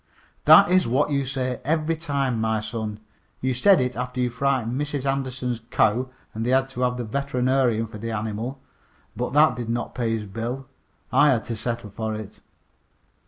"That is what you say every time, my son. You said it after you frightened Mrs. Anderson's cow and they had to have the veterinarian for the animal, but that did not pay his bill. I had to settle for it."